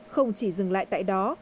không chỉ dừng lại tại đó